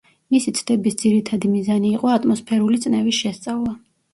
მისი ცდების ძირითადი მიზანი იყო ატმოსფერული წნევის შესწავლა.